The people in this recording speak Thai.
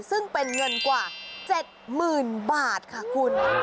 ซึ่งเป็นเงินกว่า๗๐๐๐บาทค่ะคุณ